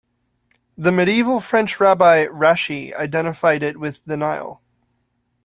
The medieval French rabbi Rashi identified it with the Nile.